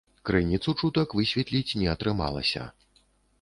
Крыніцу чутак высветліць не атрымалася.